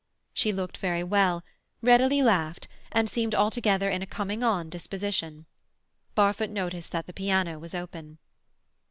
She looked very well, readily laughed, and seemed altogether in a coming on disposition. Barfoot noticed that the piano was open.